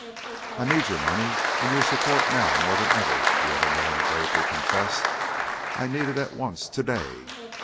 "I need your money and your support now more than ever," the other man gravely confessed. "I need it at once; to day.